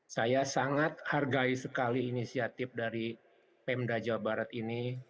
saya sangat hargai sekali inisiatif dari pemda jawa barat ini